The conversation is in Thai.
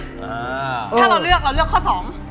ถ้าเราเลือกเราเลือกข้อสอง